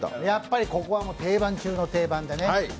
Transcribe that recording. やっぱりここは定番中の定番でね